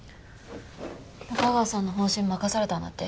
仲川さんの方針任されたんだって？